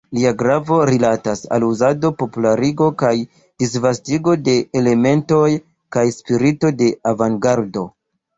Lia gravo rilatas al uzado, popularigo kaj disvastigo de elementoj kaj spirito de avangardo.